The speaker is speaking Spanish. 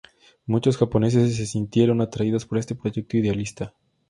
Muchos japoneses se sintieron atraídos por este proyecto idealista.